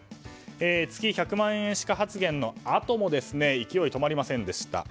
月１００万円しか発言のあとも勢いが止まりませんでした。